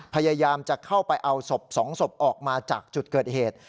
พยายามจะเข้าไปเอาศพ๒ศพออกมาจากจุดเกิดเหตุ